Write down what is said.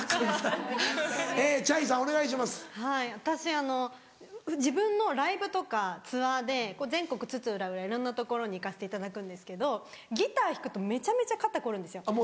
私自分のライブとかツアーで全国津々浦々いろんな所に行かせていただくんですけどギター弾くとめちゃめちゃ肩凝るんですよ。